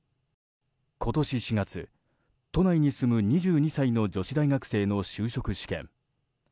今年４月、都内に住む２２歳の女子大学生の就職試験。